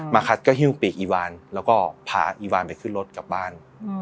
คัดก็หิ้วปีกอีวานแล้วก็พาอีวานไปขึ้นรถกลับบ้าน